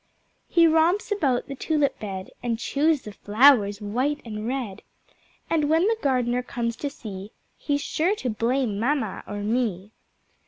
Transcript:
He romps about the Tulip bed, And chews the Flowers white and red, And when the Gardener comes to see He's sure to blame mamma or me.